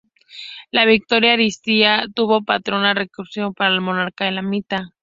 La victoria asiria tuvo pronta repercusión para el monarca elamita.